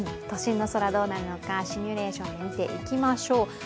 都心の空、どうなるのかシミュレーションで見てみましょう。